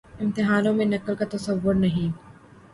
امتحانوں میں نقل کا تصور نہیں۔